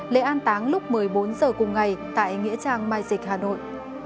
lễ an táng lúc một mươi bốn h cùng ngày tại nghĩa trang mai dịch hà nội